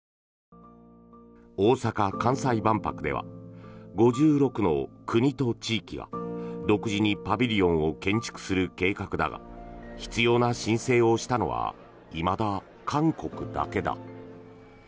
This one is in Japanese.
大阪・関西万博では５６の国と地域が独自にパビリオンを建築する計画だが必要な申請をしたのはいまだ韓国だけだ。